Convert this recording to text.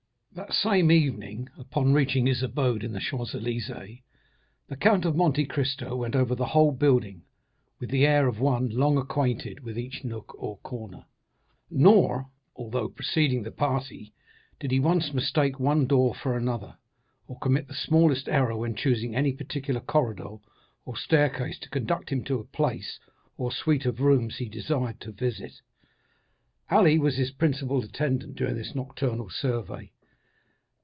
That same evening, upon reaching his abode in the Champs Élysées, the Count of Monte Cristo went over the whole building with the air of one long acquainted with each nook or corner. Nor, although preceding the party, did he once mistake one door for another, or commit the smallest error when choosing any particular corridor or staircase to conduct him to a place or suite of rooms he desired to visit. Ali was his principal attendant during this nocturnal survey.